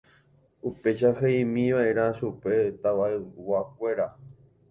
Upéicha he'ímiva'erã chupe tavayguakuéra.